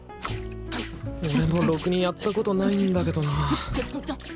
俺もろくにやったことないんだけどな。